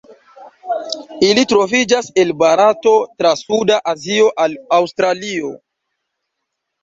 Ili troviĝas el Barato tra suda Azio al Aŭstralio.